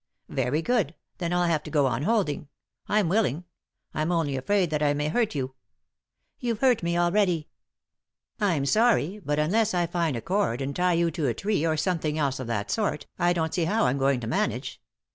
" Very good, then I'll have to go on holding ; I'm willing. I'm only afraid that I may hurt you." "You've hurt me already." "I'm sorry, but, unless I find a cord and tie you to a tree, or something else of that sort, I don't see how I'm going to manage.